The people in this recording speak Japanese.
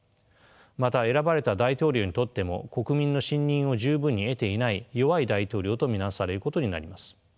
また選ばれた大統領にとっても国民の信任を十分に得ていない弱い大統領と見なされることになります。